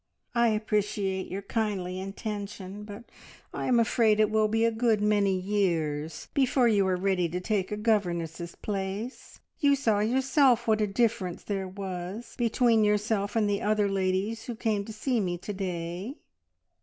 "I appreciate your kindly intention, but I am afraid it will be a good many years before you are ready to take a governess's place. You saw yourself what a difference there was between yourself and the other ladies who came to see me to day!"